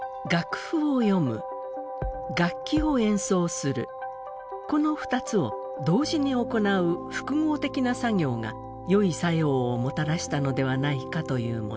一つはこの２つを同時に行う複合的な作業が良い作用をもたらしたのではないかというもの。